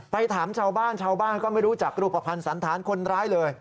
ถามชาวบ้านชาวบ้านก็ไม่รู้จักรูปภัณฑ์สันธารคนร้ายเลย